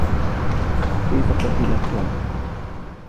كيف قُتِل توم؟